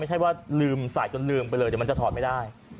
ว่าลืมใส่จนลืมไปเลยเดี๋ยวมันจะถอดไม่ได้